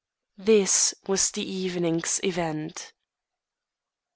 This was the evening's event.